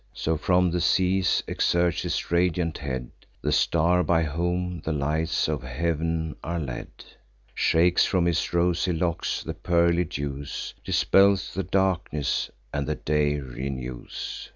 So, from the seas, exerts his radiant head The star by whom the lights of heav'n are led; Shakes from his rosy locks the pearly dews, Dispels the darkness, and the day renews.